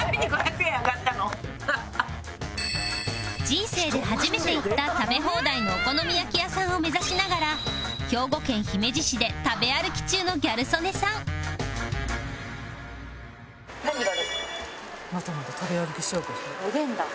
人生で初めて行った食べ放題のお好み焼き屋さんを目指しながら兵庫県姫路市で食べ歩き中のギャル曽根さん何がある？